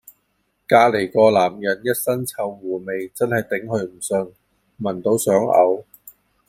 隔離嗰男人 ㄧ 身臭狐味，真係頂佢唔順，聞到想嘔